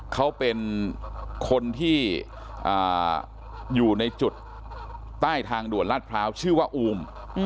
เขาเป็นคนที่อยู่ในจุดใต้ทางด่วนลาดพร้าวชื่อว่าอูม